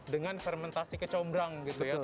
dengan fermentasi kecombrang gitu ya